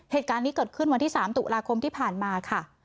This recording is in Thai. เหตุการณ์นี้เกิดขึ้นวันที่๓ตุลาคมที่ผ่านมาค่ะ